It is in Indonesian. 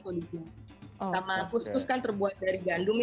sama kus kus kan terbuat dari gandum ya